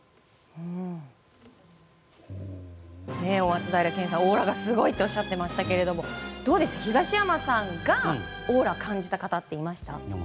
松平健さんオーラがすごいとおっしゃっていましたけどどうですか、東山さんがオーラを感じた方っていましたか。